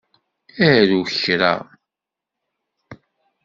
Aru kra.